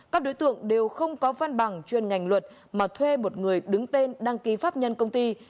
các đối tượng đều không có văn bằng chuyên ngành luật mà thuê một người đứng tên đăng ký pháp nhân công ty